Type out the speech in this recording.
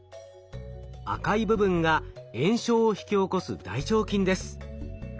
赤い部分が炎症を引き起こす大腸菌です。